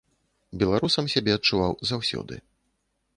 Беларусам сябе адчуваў заўсёды.